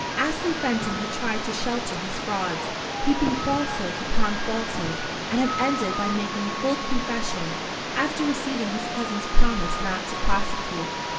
Astley Fenton had tried to shelter his frauds, heaping falsehood upon falsehood; and had ended by making a full confession, after receiving his cousin's promise not to prosecute.